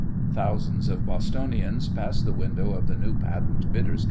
Thousands of Bostonians passed the window of the New Patent Bitters Co.